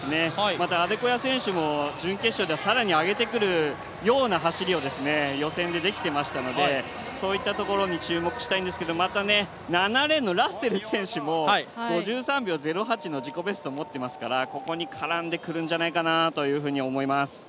またアデコヤ選手も準決勝では更に上げてくるような走りを予選でできていましたので、そういったところに注目したいんですけど、また７レーンのラッセル選手も５３秒０８の自己ベスト持っていますからここに絡んでくるんじゃないかなと思います。